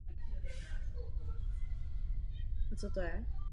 Jeho politická kariéra pak vyvrcholila krátce v posledních týdnech existence monarchie.